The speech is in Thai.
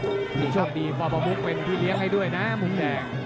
นี่ครับชอบดีพ่อประมุกเป็นที่เลี้ยงให้ด้วยนะมุมแหน่ง